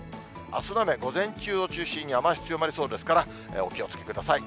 あすの雨、午前中を中心に、雨足強まりそうですから、お気をつけください。